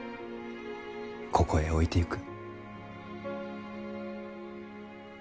ここへ置いてゆく。